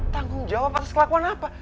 tanggung jawab atas kelakuan apa